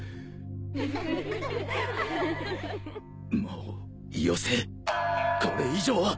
もうよせこれ以上は。